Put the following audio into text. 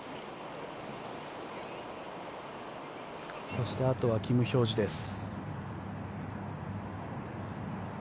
そして、あとはキム・ヒョージュです。